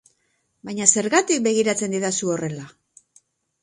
Baina zergatik begiratzen didazu horrela?